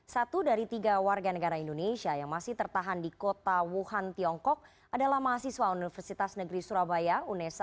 satu dari tiga warga negara indonesia yang masih tertahan di kota wuhan tiongkok adalah mahasiswa universitas negeri surabaya unesa